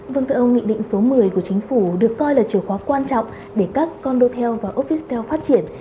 vâng thưa ông nghị định số một mươi của chính phủ được coi là chìa khóa quan trọng để các condotel và officetel phát triển